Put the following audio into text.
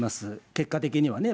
結果的にはね。